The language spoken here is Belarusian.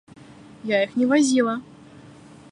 Я іх не вазіла.